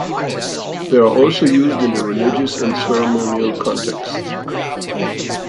They are also used in a religious and ceremonial context.